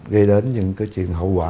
gây đến những cái chuyện hậu quả